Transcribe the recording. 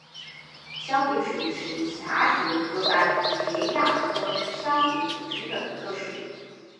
绡蝶属是蛱蝶科斑蝶亚科绡蝶族中的一个属。